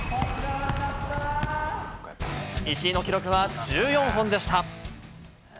石井の記録は１４本でした。